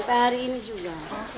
sampai hari ini juga